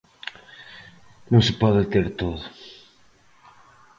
Non se pode ter todo.